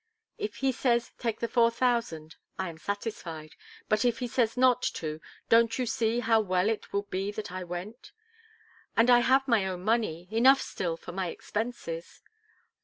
If he says take the four thousand, I am satisfied, but if he says not to, don't you see how well it will be that I went? And I have my own money, enough still, for my expenses."